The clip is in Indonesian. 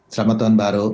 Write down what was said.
selamat tahun baru